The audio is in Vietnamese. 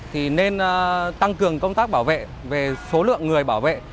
thì nên tăng cường công tác bảo vệ về số lượng người bảo vệ